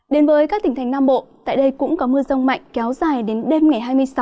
đến với các tỉnh thành nam bộ tại đây cũng có mưa rông mạnh kéo dài đến đêm ngày hai mươi sáu